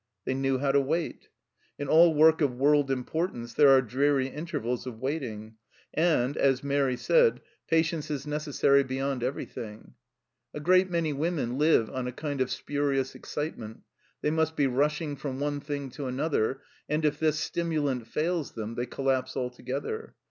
They knew how to wait. In all work of world importance there are dreary intervals of waiting, and, as Mairi said, " patience is necessary THE RETREAT 59 beyond everything.' 5 A great many women live on a kind of spurious excitement ; they must be rushing from one thing to another, and if this stimulant fails them they collapse altogether.